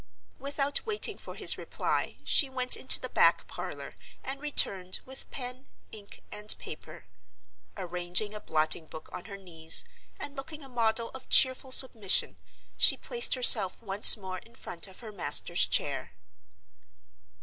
Without waiting for his reply she went into the back parlor, and returned with pen, ink, and paper. Arranging a blotting book on her knees, and looking a model of cheerful submission, she placed herself once more in front of her master's chair.